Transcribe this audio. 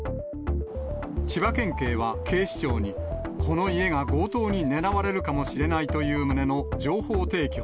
千葉県警は警視庁に、この家が強盗に狙われるかもしれないという旨の情報提供。